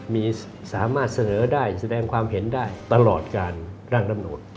มีสามารถเสนอได้แสดงความเห็นได้ตลอดการร่างรำนูน